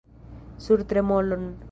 Sur tremolon!